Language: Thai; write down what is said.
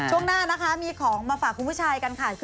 ช่วงหน้านะคะมีของมาฝากคุณผู้ชายกันค่ะ